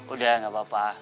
udah gak apa apa